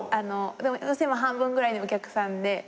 でも寄席も半分ぐらいのお客さんで。